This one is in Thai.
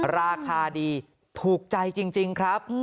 ราคาดีถูกใจจริงครับ